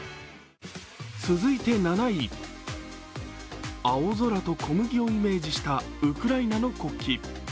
続いて７位、青空と小麦をイメージしたウクライナの国旗。